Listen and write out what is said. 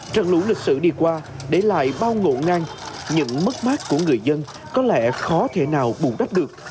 trận lũ lịch sử đi qua để lại bao ngộ ngang những mất mát của người dân có lẽ khó thể nào bù đắp được